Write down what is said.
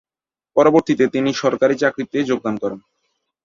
পরবর্তীতে, তিনি সরকারি চাকরিতে যোগদান করেন।